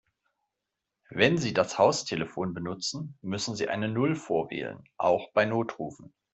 Wenn Sie das Haustelefon benutzen, müssen Sie eine Null vorwählen, auch bei Notrufen.